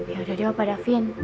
yaudah deh opa davin